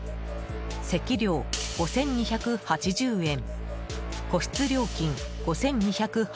席料５２８０円個室料金５２８０円